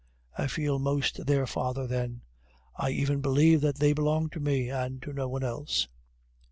I feel most their father then; I even believe that they belong to me, and to no one else."